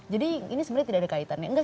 jadi ini sebenarnya tidak ada kaitannya